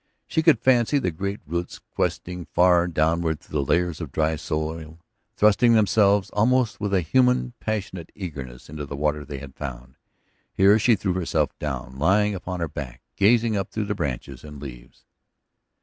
She could fancy the great roots, questing far downward through the layers of dry soil, thrusting themselves almost with a human, passionate eagerness into the water they had found. Here she threw herself down, lying upon her back, gazing up through the branches and leaves.